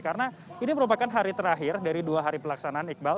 karena ini merupakan hari terakhir dari dua hari pelaksanaan iqbal